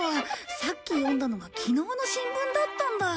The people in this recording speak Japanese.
さっき読んだのがきのうの新聞だったんだ。